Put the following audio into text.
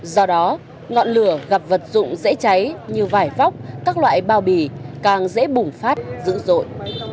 do đó ngọn lửa gặp vật dụng dễ cháy như vải vóc các loại bao bì càng dễ bùng phát dữ dội